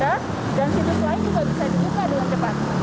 dan situs lain juga bisa dibuka